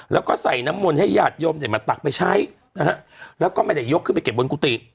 แล้วก็ใส่น้ำมนต์ให้ญาติโยมเนี่ยมาตักไปใช้นะฮะแล้วก็ไม่ได้ยกขึ้นไปเก็บบนกุฏิ